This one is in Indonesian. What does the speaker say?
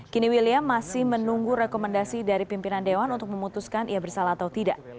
kini william masih menunggu rekomendasi dari pimpinan dewan untuk memutuskan ia bersalah atau tidak